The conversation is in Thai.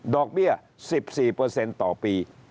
อกเบี้ย๑๔ต่อปี